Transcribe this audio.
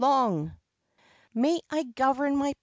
May I govern, &c.